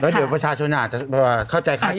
แล้วเดี๋ยวประชาชนาฯจะเข้าใจค่าเกิน